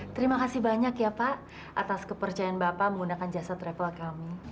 terima kasih banyak ya pak atas kepercayaan bapak menggunakan jasa travel kami